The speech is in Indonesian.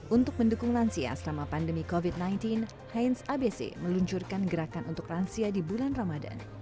untuk mendukung lansia selama pandemi covid sembilan belas heinz abc meluncurkan gerakan untuk lansia di bulan ramadan